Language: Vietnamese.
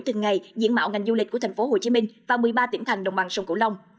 từng ngày diễn mạo ngành du lịch của thành phố hồ chí minh và một mươi ba tiểm thành đồng bằng sông cửu long